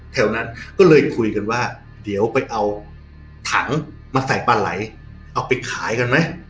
แถวนั้นก็เลยคุยกันว่าเดี๋ยวไปเอาถังมาใส่ปลาไหลเอาไปขายกันไหม